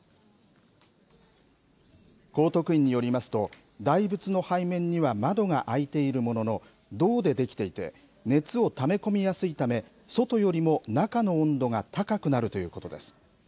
高徳院によりますと、大仏の背面には窓が開いているものの、銅で出来ていて、熱をため込みやすいため、外よりも中の温度が高くなるということです。